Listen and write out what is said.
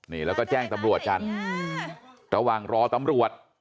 นี่แล้วก็แจ้งตำรวจกันระหว่างรอตำรวจ